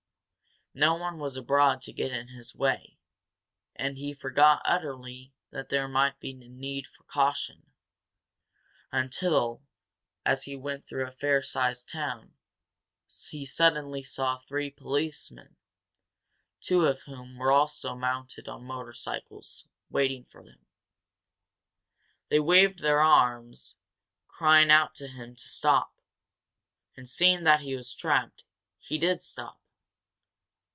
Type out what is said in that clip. No one was abroad to get in his way, and he forgot utterly that there might be need for caution, until, as he went through a fair sized town, he suddenly saw three policemen, two of whom were also mounted on motorcycles, waiting for him. They waved their arms, crying out to him to stop, and, seeing that he was trapped, he did stop.